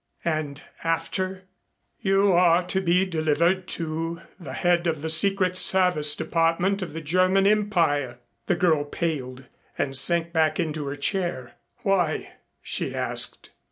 "And after " "You are to be delivered to the head of the Secret Service Department of the German Empire." The girl paled and sank back into her chair. "Why?" she asked.